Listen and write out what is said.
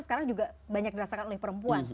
sekarang juga banyak dirasakan oleh perempuan